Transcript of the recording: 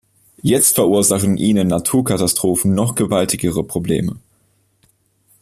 Jetzt verursachen ihnen Naturkatastrophen noch gewaltigere Probleme.